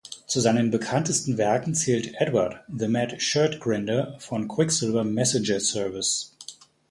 Zu seinen bekanntesten Werken zählt "Edward, The Mad Shirt Grinder" von Quicksilver Messenger Service.